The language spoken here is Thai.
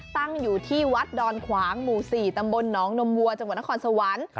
ตั้งอยู่ที่วัดดอนขวางหมู่๔ตำบลหนองนมวัวจังหวัดนครสวรรค์